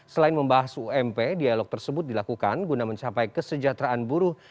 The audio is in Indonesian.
selain membahas ump dialog tersebut dilakukan guna mencapai kesejahteraan buruh